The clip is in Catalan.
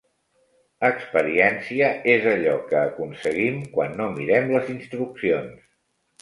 Experiència és allò que aconseguim quan no mirem les instruccions.